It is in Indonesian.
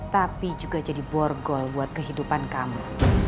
tapi juga jadi borgol buat kehidupan kamu